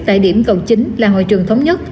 tại điểm cầu chính là hội trường thống nhất